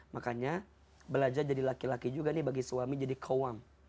makanya belajar jadi laki laki juga nih bagi suami jadi kowam